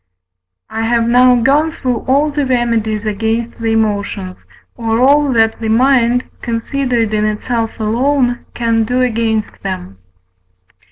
I have now gone through all the remedies against the emotions, or all that the mind, considered in itself alone, can do against them.